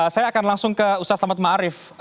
saya akan langsung ke ustaz selamat ma'arif